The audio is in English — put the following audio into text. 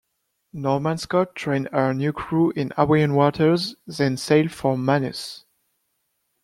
"Norman Scott" trained her new crew in Hawaiian waters, then sailed for Manus.